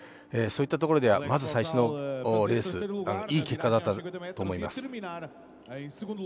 そういったところではまず最初のレースいい結果だったと思います。